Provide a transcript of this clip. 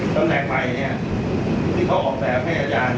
แตบแหล่งใหม่ที่เขาออกแบบให้อาจารย์